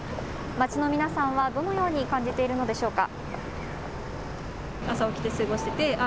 街の皆さんはどのように感じているのでしょうか。